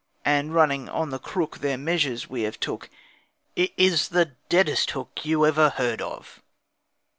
And running 'on the crook' Their measures we have took, It is the deadest hook You ever heard of.